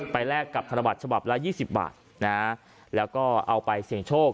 แลกกับธนบัตรฉบับละ๒๐บาทนะฮะแล้วก็เอาไปเสี่ยงโชค